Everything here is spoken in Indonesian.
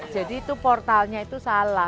jadi itu portalnya itu salah